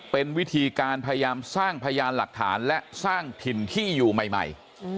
เป็นวิธีการพยายามสร้างพยานหลักฐานและสร้างถิ่นที่อยู่ใหม่